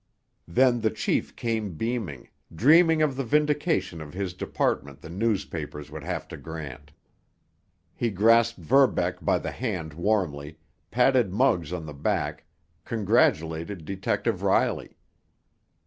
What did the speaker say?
Then the chief came beaming, dreaming of the vindication of his department the newspapers would have to grant. He grasped Verbeck by the hand warmly, patted Muggs on the back, congratulated Detective Riley.